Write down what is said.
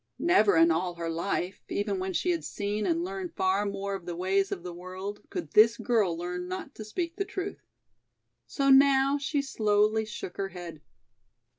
Never in all her life, even when she had seen and learned far more of the ways of the world, could this girl learn not to speak the truth. So now she slowly shook her head.